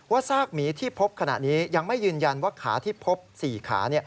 ซากหมีที่พบขณะนี้ยังไม่ยืนยันว่าขาที่พบ๔ขา